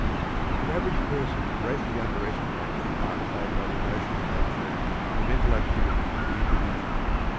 The average person greatly underestimates the part played by the emotional nature in the mental activities of the individual.